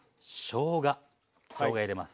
しょうが入れます。